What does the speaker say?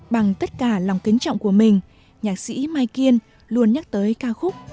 bằng tất cả lòng kính trọng của mình nhạc sĩ mai kiên luôn nhắc tới ca khúc